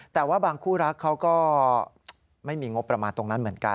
แต่ว่าบางคู่รักเขาก็ไม่มีงบประมาณตรงนั้นเหมือนกัน